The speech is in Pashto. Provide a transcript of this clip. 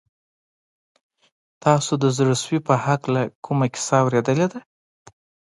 تاسو د زړه سوي په هکله کومه کیسه اورېدلې ده؟